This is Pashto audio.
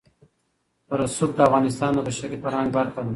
رسوب د افغانستان د بشري فرهنګ برخه ده.